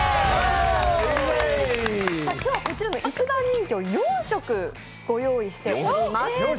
こちらの一番人気を４食ご用意しております。